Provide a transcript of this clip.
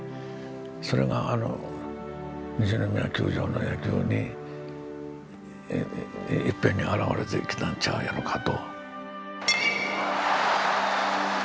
それが西宮球場の野球にいっぺんに現れてきたん違うやろかと。